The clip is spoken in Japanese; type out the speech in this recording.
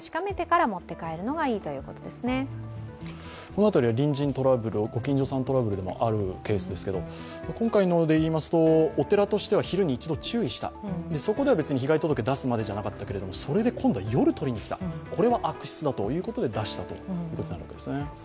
この辺り、ご近所さんトラブルでもあるケースですけど今回でいいますとお寺としては昼に一度注意して、そこでは別に被害届を出すまでではなかったけれども今度は夜、取りに来たこれは悪質だということで出したということですね。